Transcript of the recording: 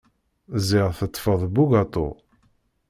Ẓriɣ teṭṭfeḍ bugaṭu.